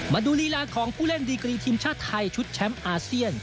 มาดูลีลาของผู้เล่นดีกรีทีมชาติไทยชุดแชมป์อาเซียน